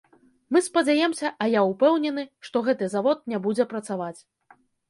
Мы спадзяёмся, а я ўпэўнены, што гэты завод не будзе працаваць.